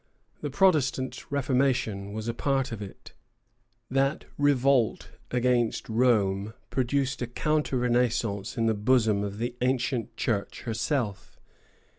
The Protestant Reformation was a part of it. That revolt against Rome produced a counter Renaissance in the bosom of the ancient Church herself.